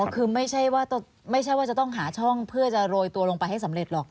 คือไม่ใช่ว่าไม่ใช่ว่าจะต้องหาช่องเพื่อจะโรยตัวลงไปให้สำเร็จหรอก